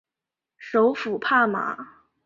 首府帕马。